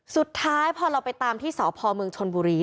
สุดท้ายพอเราไปตามที่สพเมืองชนบุรี